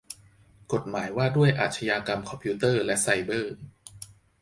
กฎหมายว่าด้วยอาขญากรรมคอมพิวเตอร์และไซเบอร์